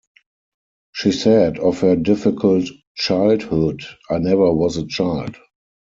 She said of her difficult childhood, I never was a child.